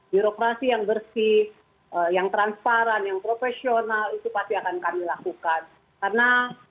birokrasi yang bersih yang transparan yang profesional itu pasti akan kami lakukan karena